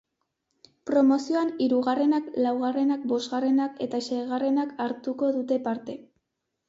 Promozioan, hirugarrenak, laugarrenak, bosgarrenak eta seigarrenak hartuko dute parte.